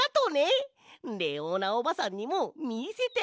レオーナおばさんにもみせてあげよ！